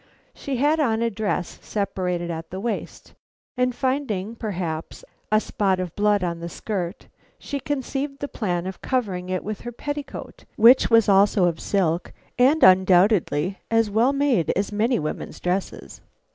She had on a dress separated at the waist, and finding, perhaps, a spot of blood on the skirt, she conceived the plan of covering it with her petticoat, which was also of silk and undoubtedly as well made as many women's dresses.